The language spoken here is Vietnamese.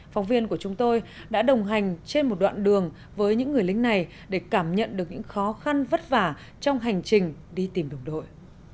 phóng viên của chúng tôi đã đồng hành trên một đoạn đường với những người lính này để cảm nhận được những khó khăn vất vả trong hành trình đi tìm đồng đội